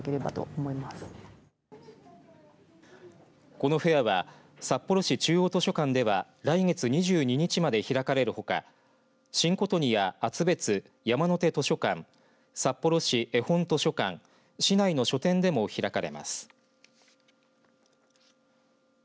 このフェアは札幌市中央図書館では来月２２日まで開かれるほか新琴似や厚別山の手図書館札幌市えほん図書館市内の書店でも開かれます。